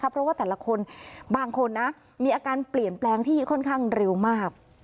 เพราะว่าแต่ละคนบางคนมีอาการเปลี่ยนแปลงที่ค่อนข้างเร็วมาก